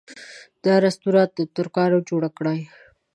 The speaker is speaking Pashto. دا رسټورانټ ترکانو جوړه کړې.